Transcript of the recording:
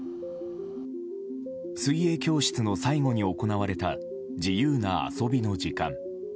水泳教室の最後に行われた自由な遊びの時間。